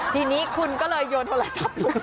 ทีนี้คุณก็เลยโยนโทรศัพท์